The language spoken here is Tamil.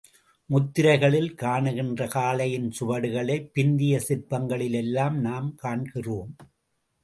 முத்திரைகளில் காணுகின்ற காளையின் சுவடுகளை பிந்திய சிற்பங்களில் எல்லாம் நாம் காண்கிறோம்.